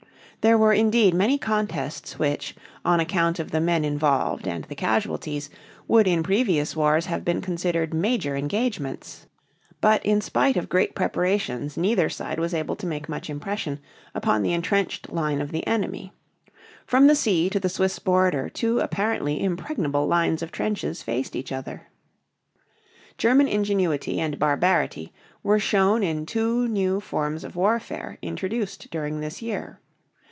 There were indeed many contests which, on account of the men involved and the casualties, would in previous wars have been considered major engagements; but in spite of great preparations neither side was able to make much impression upon the entrenched line of the enemy. From the sea to the Swiss border two apparently impregnable lines of trenches faced each other. German ingenuity and barbarity were shown in two new forms of warfare introduced during this year.